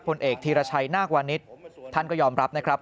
ผลเอกธีรชัยนาควานิสท่านก็ยอมรับนะครับ